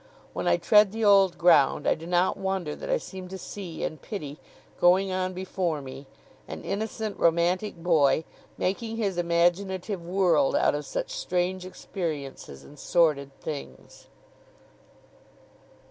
When I tread the old ground, I do not wonder that I seem to see and pity, going on before me, an innocent romantic boy, making his imaginative world out of such strange experiences and sordid things!